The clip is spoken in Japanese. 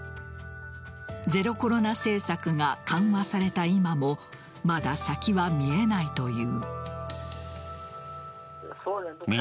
ゼロコロナ政策が緩和された今もまだ先は見えないという。